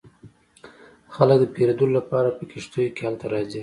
خلک د پیرودلو لپاره په کښتیو کې هلته راځي